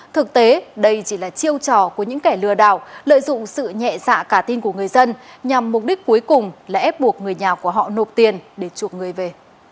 thực tế đây chỉ là chiêu trò của những kẻ lừa đảo lợi dụng sự nhẹ dạ cả tin của người dân nhằm mục đích cuối cùng là ép buộc người nhà của họ nộp tiền để chuộc người về